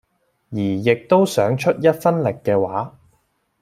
而亦都想出一分力嘅話